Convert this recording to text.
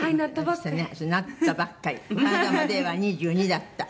この間までは２２だった。